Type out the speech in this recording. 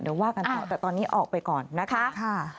เดี๋ยวว่ากันต่อแต่ตอนนี้ออกไปก่อนนะคะ